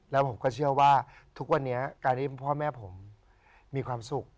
แล้วผมก็เชื่อว่าทุกวันนี้การที่พ่อแม่ผมมีความสุข